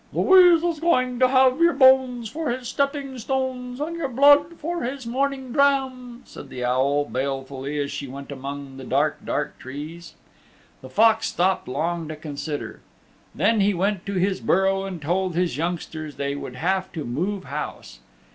"The Weasel's going to have your bones for his stepping stones and your blood for his morning dram," said the Owl balefully as she went amongst the dark, dark trees. The Fox stopped long to consider. Then he went to his burrow and told his youngsters they would have to move house.